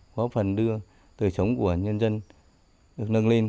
có phần đưa tử sống của nhân dân được nâng lên